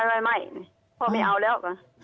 ไม่พ่อไม่เอาแล้ว